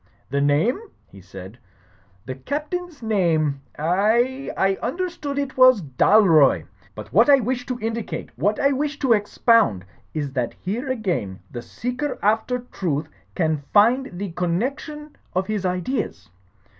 "The name," he said, "the Captain's name. I — ^I understood it was Dalroy. But what I wish to indi cate, what I wish to expound, is that here again the seeker after truth can find the coimection of his ideas.